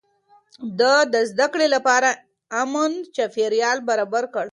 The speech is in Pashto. ده د زده کړې لپاره امن چاپېريال برابر کړ.